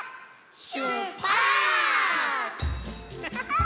しゅっぱつ！